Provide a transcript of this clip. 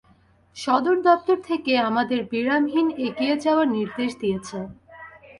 সদর দপ্তর থেকে আমাদের বিরামহীন এগিয়ে যাওয়ার নির্দেশ দিয়েছে।